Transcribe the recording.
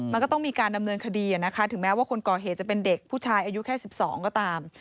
มันก็ต้องมีการดำเนินคดีนะคะถึงแม้ว่าคนก่อเหตุจะเป็นเด็กผู้ชายอายุแค่๑๒ก็ตาม